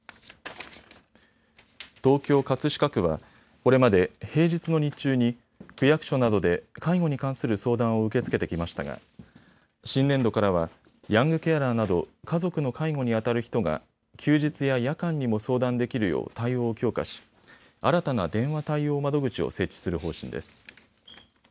東京葛飾区は、これまで平日の日中に区役所などで介護に関する相談を受け付けてきましたが新年度からはヤングケアラーなど家族の介護にあたる人が休日や夜間にも相談できるよう対応を強化し新たな電話対応窓口を設置する方針です。